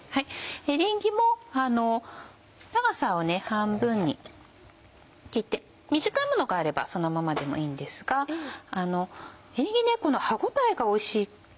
エリンギも長さを半分に切って短めのがあればそのままでもいいんですがエリンギねこの歯応えがおいしい。